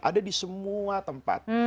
ada di semua tempat